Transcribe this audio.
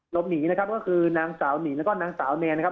หลบหนีนะครับก็คือนางสาวหนิงแล้วก็นางสาวแนนนะครับ